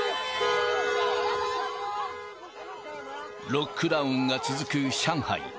ロックダウンが続く上海。